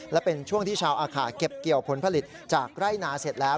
และเป็นช่วงที่ชาวอาขาเก็บเกี่ยวผลผลิตจากไร่นาเสร็จแล้ว